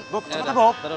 cepet ya bob